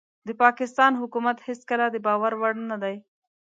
د پاکستان حکومت هيڅکله دباور وړ نه دي